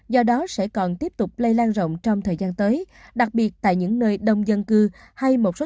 do đó sẽ còn tiếp tục lây lan rộng trong thời gian tới đặc biệt tại những nơi đông dân cư hay một số